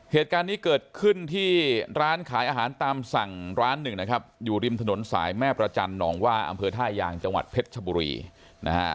เหตุการณ์นี้เกิดขึ้นที่ร้านขายอาหารตามสั่งร้านหนึ่งนะครับอยู่ริมถนนสายแม่ประจันหนองว่าอำเภอท่ายางจังหวัดเพชรชบุรีนะฮะ